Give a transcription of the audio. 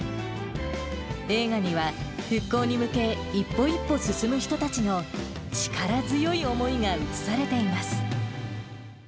映画には、復興に向け、一歩一歩進む人たちの力強い思いが写されています。